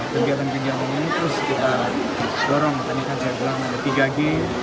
tergiatan geriatan ini terus kita dorong ini kan saya bilang tiga g